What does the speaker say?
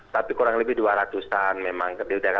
tapi kurang lebih dua ratus an memang